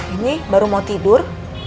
ini baru mau tidur